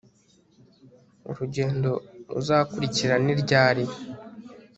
Urugendo ruzakurikira ni ryari